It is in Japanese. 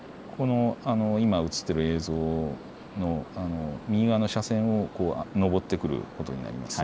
今、映っている映像、右側の車線を上ってくることになります。